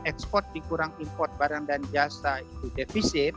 ekspor dikurang import barang dan jasa itu defisit